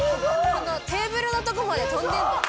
このテーブルのとこまで跳んでるんだよ。